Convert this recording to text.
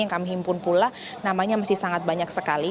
yang kami himpun pula namanya masih sangat banyak sekali